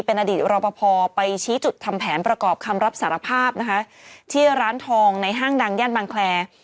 เป็นอดีตรอปภไปชี้จุดทำแผนประกอบคำรับสารภาพนะคะที่ร้านทองในห้างดังย่านบางแคล